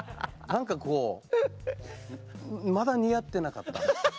何かこうまだ似合ってなかった。